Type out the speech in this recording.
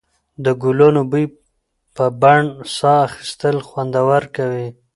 د ګلانو بوی په بڼ کې ساه اخیستل خوندور کوي.